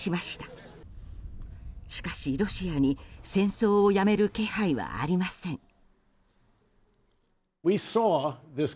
しかし、ロシアに戦争をやめる気配はありません。